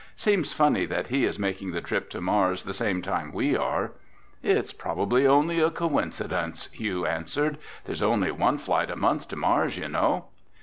"Seems funny that he is making the trip to Mars the same time we are." "Probably only a coincidence," Hugh answered. "There's only one flight a month to Mars, you know."